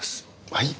はい。